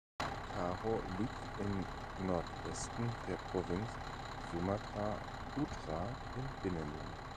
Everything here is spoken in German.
Karo liegt im Nordwesten der Provinz Sumatra Utara im Binnenland.